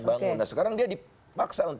bangun nah sekarang dia dipaksa